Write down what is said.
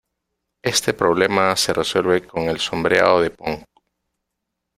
Este problema se resuelve con el sombreado de Phong.